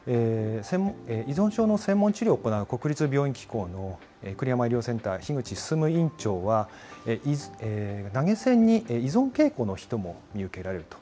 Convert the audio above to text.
依存症の専門治療を行う、国立病院機構の久里浜医療センター、樋口進院長は、投げ銭に依存傾向の人も見受けられると。